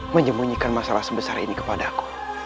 menyembunyikan masalah sebesar ini kepada aku